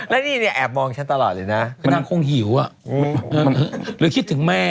แล้วนี่เนี่ยอาบมองฉันตลอดเลยนะ